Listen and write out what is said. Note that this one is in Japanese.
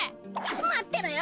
待ってろよ！